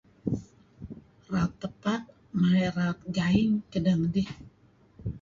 Raut tepak mey raut gaing kedeh ngidih.